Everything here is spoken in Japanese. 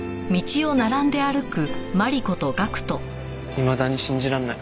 いまだに信じらんない。